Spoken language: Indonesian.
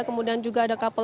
kemudian juga ada kapolri